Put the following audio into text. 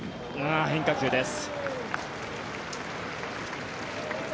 変化球です。